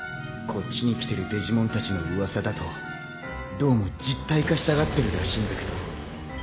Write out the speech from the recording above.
こっちに来てるデジモンたちの噂だとどうも実体化したがってるらしいんだけど。